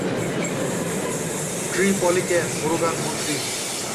ট্রিপলিকেন, মুরুগান মন্দির।